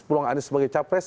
peluang anies sebagai capres